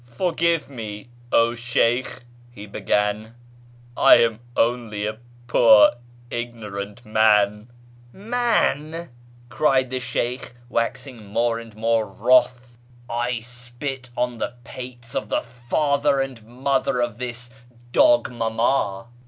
" Forgive me, 0 Sheykh !" he began ;" I am only a poor ignorant man "" j\Ian !" cried the Sheykh, waxing more and more wroth ;" I spit on the pates of the father and mother of the dog mama